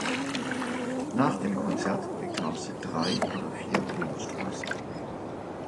Nach dem Konzert, bekam sie drei oder vier Blumensträuße.